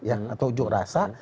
atau ujung rasa